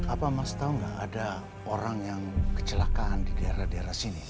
apa mas tahu nggak ada orang yang kecelakaan di daerah daerah sini